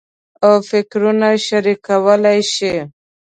او فکرونه شریکولای شي.